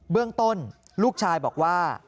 เรื่องต้นลูกชายบอกว่า